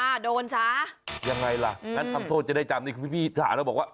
อ่าโดนช้ายังไงล่ะอืมงั้นทำโทษจะได้จำนี่คือพี่พี่หิตหาแล้วบอกว่า